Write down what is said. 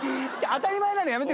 当たり前なのやめて。